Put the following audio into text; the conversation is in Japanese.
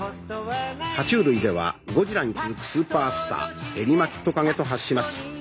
は虫類ではゴジラに続くスーパースターエリマキトカゲと発します。